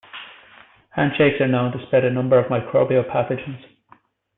Handshakes are known to spread a number of microbial pathogens.